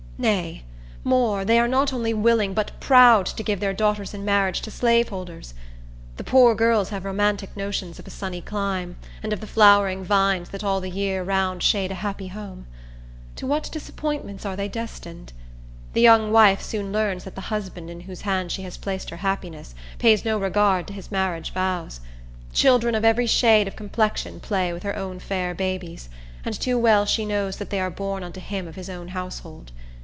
Nay, more, they are not only willing, but proud, to give their daughters in marriage to slaveholders. The poor girls have romantic notions of a sunny clime, and of the flowering vines that all the year round shade a happy home. To what disappointments are they destined! The young wife soon learns that the husband in whose hands she has placed her happiness pays no regard to his marriage vows. Children of every shade of complexion play with her own fair babies, and too well she knows that they are born unto him of his own household.